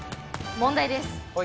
問題です。